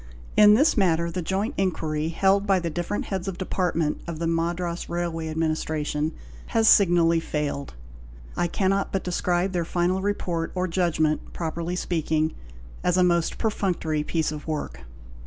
In this matter the joint inquiry held by the different heads of department of the Madras Railway Administration has signally failed. I cannot but describe their final report or judgment (properly speaking) as a most perfunctory piece of work.